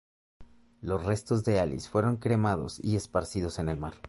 Los restos de Alice fueron cremados y esparcidos en el mar.